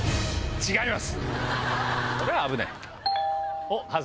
違います。